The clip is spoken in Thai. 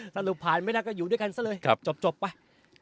สรุปผ่านไม่ได้ก็อยู่ด้วยกันซะเลยจบไป